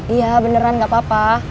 iya beneran gak apa apa